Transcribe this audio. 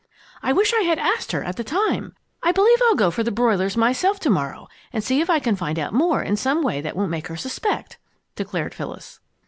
I wish I had asked her at the time. I believe I'll go for the broilers myself to morrow and see if I can find out any more in some way that won't make her suspect," declared Phyllis.